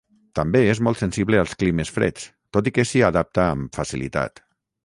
També és molt sensible als climes freds, tot i que s'hi adapta amb facilitat.